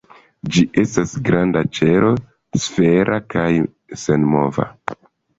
Ĝi estas granda ĉelo, sfera kaj senmova.